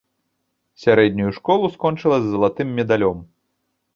Сярэднюю школу скончыла з залатым медалём.